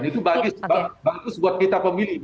itu bagus buat kita pemilih